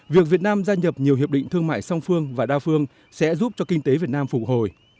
việc việt nam gia nhập nhiều hiệp định thương mại song phương và đa phương sẽ giúp cho kinh tế việt nam phục hồi